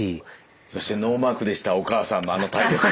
そしてノーマークでしたお母さんのあの体力。